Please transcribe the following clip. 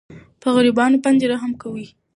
په غریبانو باندې رحم کوئ.